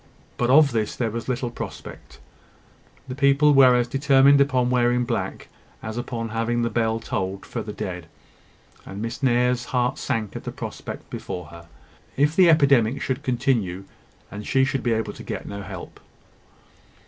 But of this there was little prospect: the people were as determined upon wearing black, as upon having the bell tolled for the dead; and Miss Nares's heart sank at the prospect before her, if the epidemic should continue, and she should be able to get no help.